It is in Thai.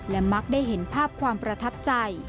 และมักได้เห็นภาพความประทับใจ